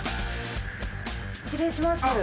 失礼します。